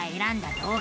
動画